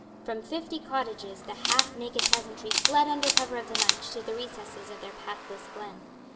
From fifty cottages the half naked peasantry fled under cover of the night to the recesses of their pathless glen.